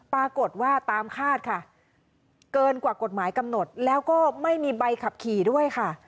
ปรากฏว่าตามคาดค่ะเกินกว่ากฎหมายกำหนดแล้วก็ไม่มีใบขับขี่ด้วยค่ะ